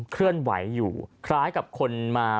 เคลื่อนไหวอยู่คล้ายกับคนมา